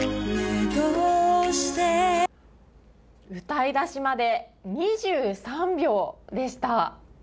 歌い出しまで２３秒でした。